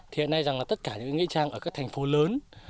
thì hãy nói rằng là tất cả những nghĩa trang ở các thành phố lớn